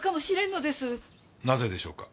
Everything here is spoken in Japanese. なぜでしょうか？